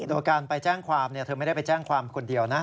โดยการไปแจ้งความเธอไม่ได้ไปแจ้งความคนเดียวนะ